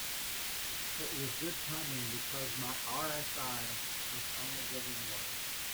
This was good timing, because my RSI was only getting worse.